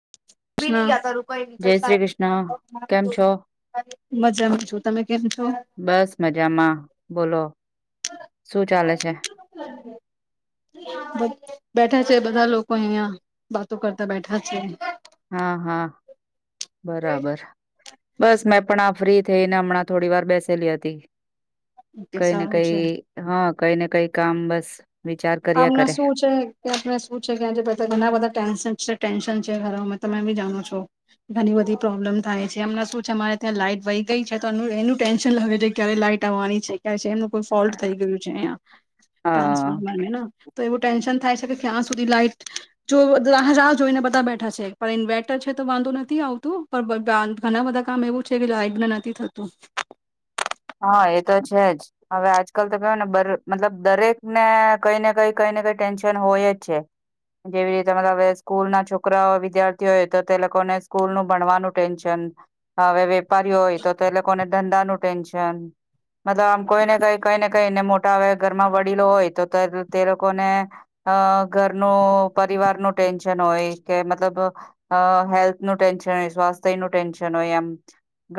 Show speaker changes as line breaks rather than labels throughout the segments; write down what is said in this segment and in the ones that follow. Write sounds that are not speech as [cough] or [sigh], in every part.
[inaudible] [unintelligible]
જય શ્રી કૃષ્ણ કેમ છો
મજામાં છું તમે કેમ છો
બસ મજામાં બોલો શું ચાલે છે
બેઠા છે બધા લોકો અહિયાં વાતો કરતા બેઠા છે
હા હા બરાબર બસ મેં પણ આ ફ્રી થઈને હમણાં થોડી વાર બેસેલી હતી
ઓકે
કઈ ને
સારું
કઈ
છે
હા કઈ ને કઈ કામ બસ વિચાર કર્યા
આમણા
કરે
શું છે કે આપને શું છે કે આજે પણ ઘણા બધા ટેન્શન છે ટેન્શન છે ઘરોમાં તમે એ બી જાણો છો ઘણી બધી પ્રોબ્લેમ થાય છે એમને શું છે અમારે ત્યાં લાઈટ વહી ગઈ છે તો એ એનું ટેન્શન લાગે છે ક્યારે લાઈટ આવવાની છે કે એમ કો ફોલ્ટ થઈ ગયું છે અયા
હા
ટ્રાન્સફ તો એવું ટેન્શન થાય છે કે ક્યાં સુધી લાઈટ જો રાહ રાહ જોઈને બધા બેઠા છે પણ ઇન્વેર્ટર છે તો વાંધો નથી આવતું પણ ઘણા બધા કામ એવું છે કે લાાઈટને નથી થતું
હા એ તો છે જ હવે આજકાલ તો કેવય ને મતલબ દરેક ને કઈ ને કઈ કઈ ને કઈ ટેન્શન હોય જ છે જેવી રીતે મતલબવે સ્કૂલ ના છોકરાઓ વિદ્યાર્થી હોય તો તે લોકોને સ્કૂલ નું ભણવાનું ટેન્શન હવે વેપારી હોય તો એ લોકોને ધંધા નો [inaudible] ટેન્શનમતલબ આમ કોઈ ને કઈ કઈ ને કઈને મોટા આવે ઘરમાં વડીલો હોય તો તે લોકોને અ ઘરનું પરિવાર નું ટેન્શન હોય કે મતલબ હેલ્થ નું ટેન્શન હોય સ્વાસ્થ્ય નું ટેન્શન હોય એમ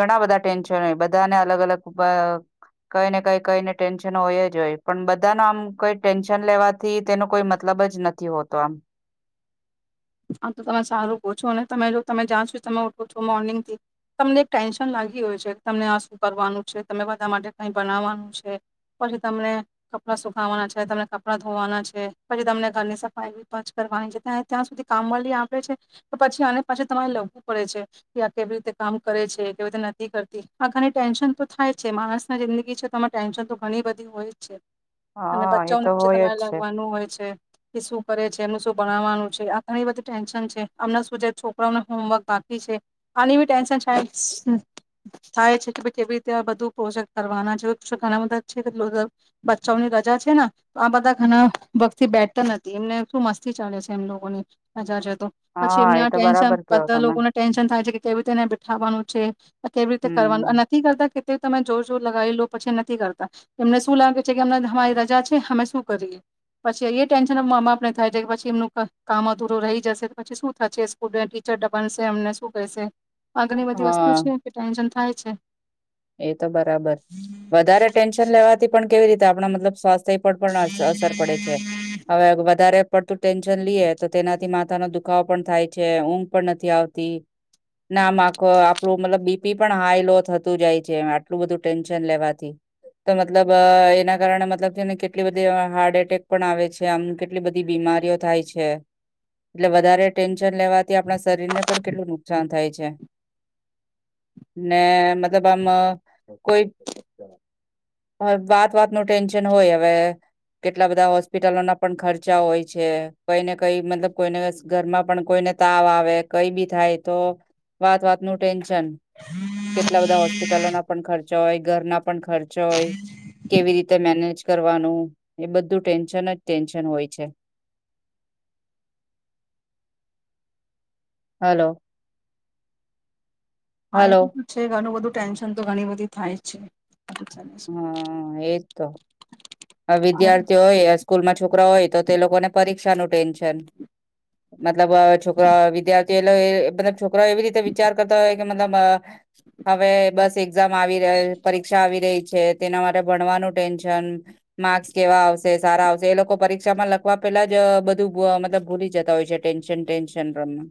ઘણા બધા ટેન્શન હોય બધાને અલગ અલગ કઈ ને કઈ કઈને ટેન્શન હોય જ હોય પણ બધા ન આમ કઈ ટેન્શન લેવાથી તેનો કોઈ મતલબ જ નથી હોતો આમ
આ તો તમે સારું કહો છો અનેને તમે જો તમે જ્યાં સુધી તમે ઉઠો છો મોર્નિંગ થી તમને એક ટેન્શન લાગી હોય છે તમને આ શું કરવાનું છે તમે બધા માટે કઈ બનાવવાનું છે પછી તમને કપડા સુકાવાના છે તમને કપડાં ધોવાના છે પછી તમને ઘરની સફાઈ કરવાની છે ત ત્યાં સુધી કામવાળલી આપે છે તો પછી અને પાછી તમારે લખવું પડે છે કે આ કેવી રીતે કામ કરે છે કેવી રીતે નથી કરતી આ ઘણી ટેન્શન તો થાય જ છે માણસ ના જિંદગી છે તોમે ટેન્શન તો ઘણી બધી હોય જ છે અને
હા એ
બચ્ચા
તો
પછે
હોય જ
તમારે
છે
લાગવાનું હોય છે એ શું કરે છે એનું શું ભણવાનું છે આમ ઘણી બધી ટેન્શન છે અમનાં શું જે છોકરાઓને હોમવર્ક બાકી છે આની બી ટેન્શનદ થાય છે કે ભ કેવી રીતે બધું પ્રોજેક્ટ કરવાના છે ઘણા બધા છે બચ્ચાઓની રજા છે ને તો આ બધા ઘણા વર્થી બેટર નથી એમને શું મસ્તી ચાલે છે એમ લોકોની હા જાત જાત ની પછી
હા
એમને
એ
આ
તો
ટેન્શન
બરાબર કેવો
બધા
તમે
લોકોને ટેન્શન થાય છે તેવી તેને બેઠાવાનું છે આ કેવી રીતે કરવાનું
હમ
આ નક્કી કરતા કે તો તમે જોર જોર લગાવી લો પછી નથી કરતા એમને શું લાગે છે કેમ હમારી રજા છે હમે શું કરીએ પછી એ ટેન્શન મા બાપ ને થાય છે કે પછી એમનું પ કામ દૂર રહી જશે તો પછી શું થાસે સ્ટુડન્ટ ટીચર ડપનસે અમને શું કહેશે. આગની બધી વસ્તુ
હા
છું કે ટેન્શન થાય છે.
એ તો બરાબર વધારે ટેન્શન લેવાથી પણ કેવી રીતે આપણા મતલબ સ્વાસ્થ પર પણ અસ અસર પડે છે. હવે વધારે પડતું ટેન્શન લઈએ તો તેનાથી માથાનો દુ ખાવો પણ થાય છે. ઊંઘ પણ નથી આવતી. ના માકો આપડું મતલબ બીપી પણ હાઈ લો થ થઇ જાય છે. આટલું બધું ટેન્શન લેવાથી. તો મતલબ એના કારણે મતલબ છે ને કેટલી બધી હાર્ટ એટેક પણ આવે છે. આમ કેટલી બધી બીમારીઓ થાય છે. એટલે વધારે ટેન શન લેવાથી આપણા શરીરને પણ કેટલું નુકસાન થાય છ છે ને મ ત આમ કોઈ વાત વાત નું ટેન્શન હોય. અવે કેટલા બધા હોસ્પિટલોના પણ ખર્ચા હોય છે. કઈને કઈ મતલબ કોઈને ઘરમાં પણ કોઈને તાવ આવે કઈ બી થાય તો વાત વાત નું ટેન્શ કેમ કે ટલા બધા હોસ્પિટલો ના પણ ખર્ચા હોય. ઘરના પણ ખર્ચા હોય. કેવી રીતે મે મેનેજ કરવાનું ને બધું ટેન્શન જ ટેન્શન હોય છે. હલો.
હા એ
હલો
[unintelligible] છે ઘનુ વધુ ટેન્શન તો ઘણી બધી થાય છે. આ તો ચાલે છે.
હા એજ તો. અવિદ્યાર્થીઓ હોય સ્કૂલમાં છોકરા હોય તો તે લોકોને પરીક્ષાનું ટેન્શન. મતલબ અ છોકરા વિદ્યાર્થી લઇ મતલબ છોક કરાઓ એવી રીતે વિચાર કરતા હોય મતલબ બ હવે બસ એક ઝામ આવી રહ્યું, પરીક્ષા આવી રહી. છે તેના માટે ભણવાનું ટેન્શન માર્ક્સ કેવા આવશે? સારા આવશે? એ લોકો પરીક્ષામાં લખવા પેલા જ બધું બો મતલબ ભૂલી જતા હોય છે. ટેન્શન ટેન્શન પ્રમા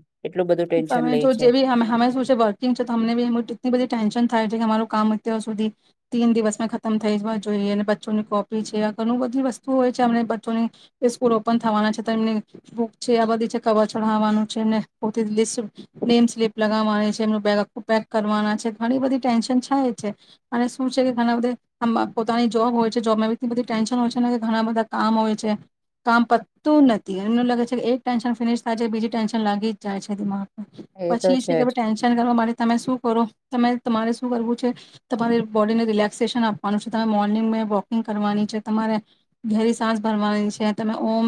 તમે જો જે બી હમ હમે શું છે વર્કિંગ છે તો હમને બી કેટલી બધી ટેન્શન થાય છે કે અમારું કામ અત્યાર સુધી તીન દિવસમાં ખતમ થઈ જવા જોઈએ. ને બચ્ચોની કોપી છે. આ ઘણું બધી વસ્તુ હોય છે. એમને બચ્ચોની સ્કૂલ ઓપન થવાના છે, તેમની બુક છે, આ બધી છે કવર ચઢાવવાનું છે. [unintelligible] નેમ સ્લીપ લગાવવાની છે એમનું બેગ આખું પેક કરવાના છે. ઘણી બધી ટેન્શન થાય છે. અને શું છે કે ઘણા બધા અમાં પોતાની જોબ હોય છે. જોબમા એવી રીતે બધી ટેન્શન હોય છે, ને એ ભણવા બધા કામ હોય છે. કામ પતું નથી એમને લાગે છે કે એક ટેન્શન ફિનિશ થાય છે બીજી ટેન્શન લાગી જાય છે દિમાગ પછી એ છે કે ભ ટેન્શન કરવા માટે તમે શું કરો તમે મારે શું કરવું છે તમારે બોડીને રિલેક્સેશન આપવાનું છે. તમે મોર્નિંગ મે વોકિંગ કરવાની છે. તમારે ઘેરી સાસ ભરવાની છે. તમે ઓમ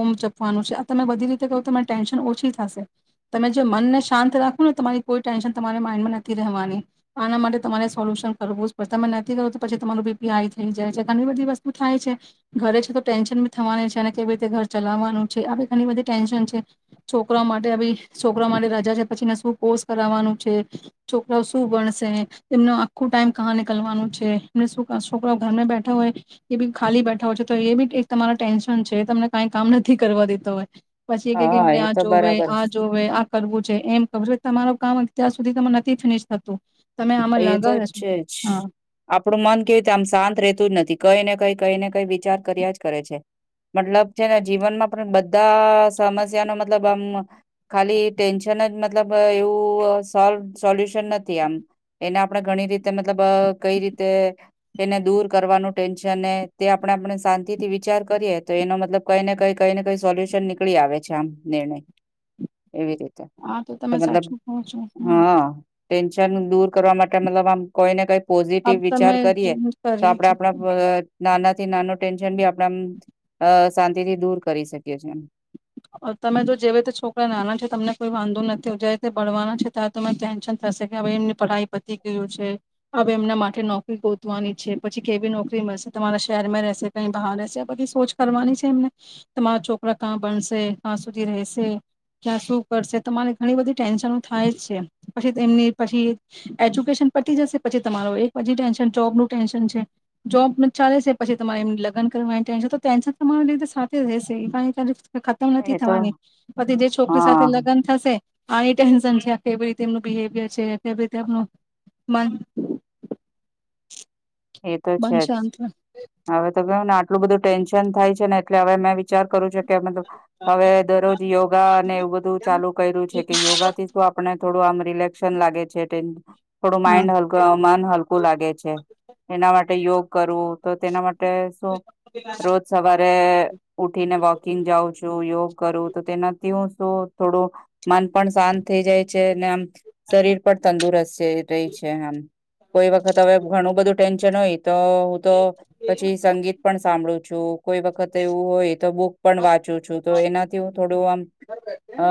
ઓમ જપવાનું છે. આ તમે બધી રીતે કરો તમારી ટેન્શન ઓછી થાશે. તમે જો મનને શાંત રાખો ને તમારી કોઈ ટેન્શન તમારે માઇન્ડમાં નથી રહેવાની. આના માટે તમારે સોલ્યુશન કરવું જ પડશે. તમે નથી કરું તો પછી તમારું બીપી હાઈ થઈ જાય છે. ઘણી બધી વસ્તુ થાય છે ઘરે છે તો ટેન્શન બી થવાની છે અને કેવી રીતે ઘર ચલાવવાનું છે. આવી ઘણી બધી ટેન્શન છે. છોકરા માટે ભી છોકરા મારી રજા છે. પછીને શું કોર્સ કરાવવાનું છે. છોકરા શું ભણશે? એનો આખું ટાઈમ કાં નીકલવાનું છે. એ છોકરા ઘરને બેઠા હોય એ બી ખાલી બેઠા હોય છે તો એ બી તમારા ટેન્શન છે તમને કઈ કામ નથી કરવા દેતા હોય પછી કે કે
હા
એમને
એ
આ
તો
જોવે
બરાબર છે
આ જોવે આ કરવું છે એમ કરવું તમારું કામ અત્યાર સુધી ત નથી ફિનિશ થતું તમે આમાં
એ તો
લગા
જ
રહેશો
છે જ.
હા
આપડું મન કેવીતે આમ શાંત રે ું જ નથી કઈ ને કઈ કઈ ને કઈ વિચાર કર્યા જ કરે છે મતલબ છે ને જીવનમાં પણ બધા સમસ્યાનો મતલબ આમ ખાલી ટેન્શન જ મતલબ એવું સો સોલ્યુશન નથી આમ એને આપણે ઘણી રીતે મતલબ કઈ રીતે એને દૂર કરવાનું ટેન્શન તે આપણે આપણે શાંતિ થી વિચાર કરીએ તો એનો મતલબ કઈ ને કઈ કઈ ને કઈ સોલ્યુશન નીકળી આવે છે આમ નિર્ણય એવી રીતે
આ તો તમે
મતલબ
સાચું કહો છો
હા ટટેન્શન દૂર કરવા માટે મતલબ આમ કોઈ ને કઈ પોઝિટિવ
આપ તમે
વિચાર કરીએ તો
કરીએ
આપડે
છે
આપણા નાના થી નાનો ટેન્શની આપ શાંતિથી દૂર કરી શકીએી
તમે જો જે રીતે છોકરા નાના છે તમને કોઈ વાંધો નથી જાયીતે ભણવાના છે ત્યાં ત ટેન્શન થશે કે હવે એમની પઢાઈ પતી ગયું છે હવે એમના માટે નોકરી ગોતવાની છે પછી કેવી નોકરી મળશે તમારા શહેરમાં રહેશે કઈ બહાર રહેશે બધી સોચ કરવાની છે એમને તમા મારા છોકરા ક્યાં ભણશે ક્યાં સુધી રહેશે ક્યાં શું કરશે તમારે ઘણી બધી ટેન્શનો થાય જ છે પછી એની પછી એજ્યુકેશન પટી જશે પછી તમાર એક પછી ટેન્શન જોબ નું ટેન્શન છે જોબ ચાલે છે પછી તમારે એમ લગન કરવાની ટેન્ તો ટેન્શન તમારી લીધ સાથે રહેશે ખતમ
એ
નથી
તો
થવાની પછી જે છોકરી સાથે
હા
લગ્ન થશે આની ટેન્શન છે આ કેવી રીતે એમનું બિવિયર છે કેવી રીતે એમનું મ
એ તો છે જ હવે તો કેવું નાટ આટલું બધું ટેન્શન થાય છે ને એટલે હવે મેં વિચાર કરું છે કે મતલબ હવે દરરોજ યોગા ને એવું બધું ચાલુ કર્યું છે કે યોગા થી શું આપણે થોડું આમ રિલેક્શન લાગે છે થોડું
હા
માઈન્ડ હલકું મન હલકું લાગે છે માટે યોગ કરવું તો તેના માટે શું રોજ સવાર આપે ઉઠી ને વોકિંગ જાઉં છું યોગ કરું તો તેનાથી હું શું થોડું મન પણ શાંત થઈ જાય છે ને આમ શરીર પણ તંદુરસ્ત રહી છે આમ કોઈ વખત હવે ઘણું બધું ટેન્શન હોય તો હું તો પછી સંગીત પણ સાંભળું જો કોઈ વખત એવું હોય તો બુક પણ વાંચું છું તો એનાથી હું થોડું આમ અ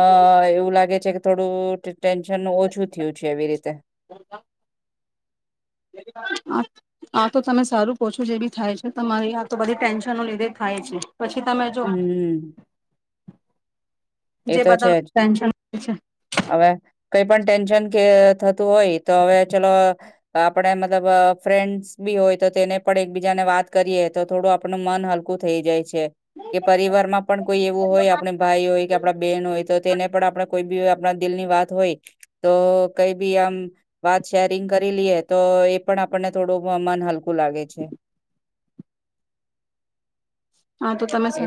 એવું લાગે છે થોડું ટેન્શનનું ઓછું થયું છે એવી રીતે
આ તો તમે સારું પછો જે બી થાય છે તમારી આ તો બધી ટેન્શન લીધે થાય છે. પછી તમે જો
હમ્મ, એ
જે
તો
બધા
છે જ
ટેન્શન છે
હવે કઈ પણ ટેન્શન કે થતું હોય તો હવે ચલો આપણે મતલબ ફ્રેન્ડસ બી હોય તો તેને પણ એકબીજાને વાત કરીએ તો થોડું આપણું મન હલકું થઈ જાય છે કે પરિવાર માં પણ કોઈ એવું હોય આપણે ભાઈ હોય કે હોય તો તેને પણ આપણે કોઈ આપ દિલની વાત હોય તો કઈ બી આમ વાત શેરિંગ કરી લઈએ તો એ પણ આપને થોડું મન હલકું લાગે છે.
હા તો તમે
એ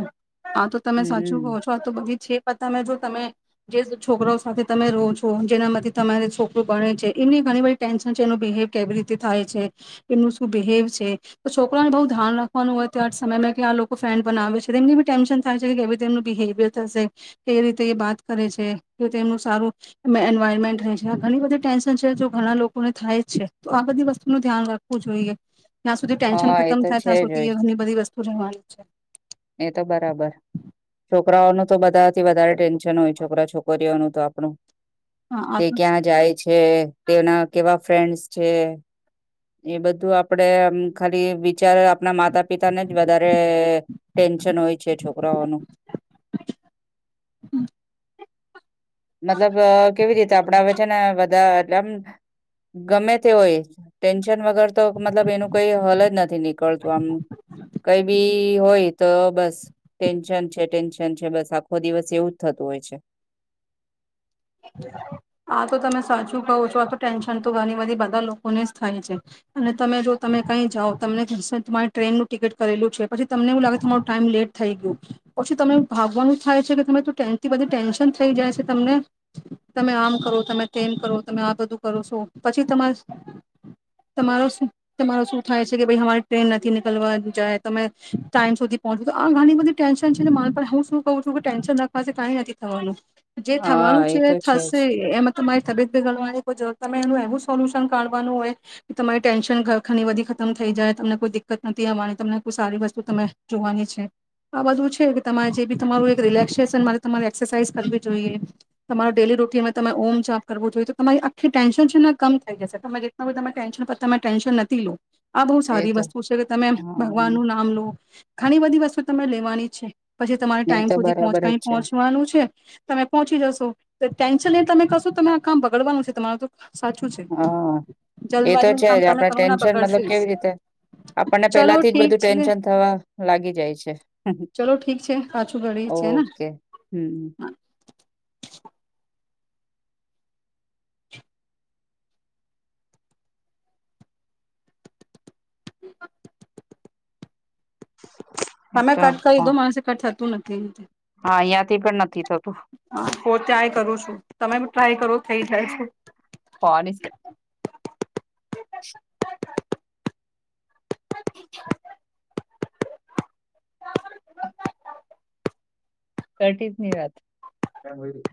હા તો તમે સાચું કહો
હમ
છો આ તો બધી જ તમે જો તમે જે છોકરાઓ સાથે તમે રહો છો જેનામાંથી તમારે છોકરું ગણે છે એમની ઘણી બધી ટેન્શન છે એનું બિહેવ કેવી રીતે થાય છે એમનું શું બિહેવ છે તો છોકરાને બહુ ધ્યાન રાખવાનું હોય તં સમયમાં કે આ ફ્રેન્ડ બનાવે છે તેમની બી ટેન્શન થાય છે કે કેવી રીતેનું બિહેવિયર થશે કેવી રીતે એ વાત કરે છે કે તેમનું સારું એન્વાયરમેન્ટ રહે છે આ ઘણી બધી ટેન્શન છે જો ઘણા લોકોને થાય જ છે તો આ બધી વસ્તુનું ધ્યાન રાખવું જોઈએ. ત્યા સુધી ટેન્શન
હા એ
ખતમ
તો છે
થાય્યાં
જ
સુધી
હોય
એ ઘણી બધી જવા. [inaudible]
એ તો બરાબર છોકરાઓનું તો બધાથી વધારે ટેન્ હોય છોકરા છોકરીઓ ન તો આપણું
હા આ
તે
તો
ક્યાં જાય છે તેના કેવા ફ્રેન્ડ છે એ બધું આપડે ખાલી વિચાર આપણા માતા પિતા ને જ વધારે ટેન્શન હોય છે છોકરાઓનું. મતલબ કેવી રીતે આપણા વચ્ચે ને બધા એમ ગમે તે હોય વગર તો મતલબ એનું કઈ હલ જ નથી નીકળતું આમ કઈ બી હોય તો બસ ટેન્શન છે ટેન્શન છે બસ આખો દિવસ એવું જ થતું હોય છે.
આા તો તમે સાચું કહો છો આ તો ટેન્શન તો ઘણી બધી બધા લોકોને જ થાય છે અને તમે જો તમે કઈ જાઓ તમને તમારી ટ્રેનનું ટિકિટ કરેલું છે પછી તમને એવું લાગે તમારો ટાઈમ લેટ થઈ ગયો પછી તમે ભાગવાનું થાય છે કે તમે ટેનથી બધી ટેન્શન થઈ જાય છે તમને. તમે આમ કરો તમે તેમ કરો તમે આ બધું કરો છો પછી તમા તમારો તમારો શું થાય છે કે ભ અમારી ટ્રેન નથી નીકળવા જાય તમે ટાઈમ સુધી પહોંચો તો આ ઘણી બધી ટેન્શન છે ને માન પર હું શું કું છું કે ટેન્શન રાખવા કઈ નથી થવાનું. જે થવાનું
હા એ તો છે
થશે
જ
એમાં તમારી [unintelligible] રે ત એનું એવું સોલ્યુશન કાઢવાનું હોય કે તમારી ટેન્શન ઘ ઘની બધી ખતમ થઈ જાય તમને કોઈ દિકકત નથી આવવાની તમને કોઈ સારી વસ્તુ ત જોવાની છે આ બધું છે કે તમારે જે બી તમારું રિલેક્સેશન મારે તમારે એક્સરસાઇઝ કરવી જોઈએ. તમારેું ડેલી રૂટીનમાં તમે ઓમ જાપ કરવો જોઈએ તો તમારી આખી ટેન્શન છે ને કમ થઈ જશે તમે જેટલા બી તમે ટેન્શન પર તમે ટેન્શન નથી લો. આ બહુ
એ
સારી
તો
વસ્તુ છે કે તમે
હા
ભગવાન નું નામ લો. ઘણી બધી વસ્તુ તને લેવાની છે. પછી તમારે
એ
ટાઈમ
તો
સુધી
બરાબર
પહચ
જ છે
પહોંચવાનું છે તમે પહોંચી જશો. ટેન્શન લઈને તમે કશો તમે આ કામ બગડવાનું છે તમાર તો સાચું છે
હા એ તો
જલ્દબાજીમાં
છે
કામ
જ
તમે
આપણે
કરો ના
ટેન્શન
બગડશે
મતલબ કેવી
જ
રીતે આપણને પેલા
ચલો
થી જ
ઠીક
બધું
છે
ટેન્શન થવા લાગી જાય છે
ચલો ઠીક છે પાછું ઘડી છે ને
ઓકે હમ્મ.
[inaudible]
એક
તમે
તો
કટ કરી
ફ
દો [unintelligible] તુ નથી એમ
હા અહિયાં થી પણ નથી થતું
[inaudible] હુ ત્યાંય કરું છું તમે ટ્રાય કરો થઇ જાય છો.
ફોન જ
[inaudible]
કટી જ ની વાત [unintelligible]